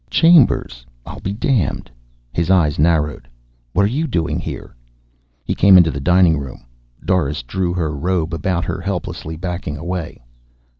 "Chambers. I'll be damned." His eyes narrowed. "What are you doing here?" He came into the dining room. Doris drew her robe about her helplessly, backing away.